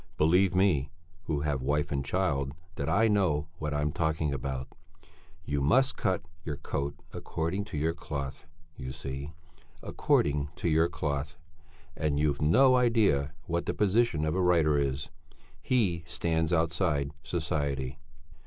Believe me, who have wife and child, that I know what I'm talking about. You must cut your coat according to your cloth, you see according to your cloth. And you've no idea what the position of a writer is. He stands outside society."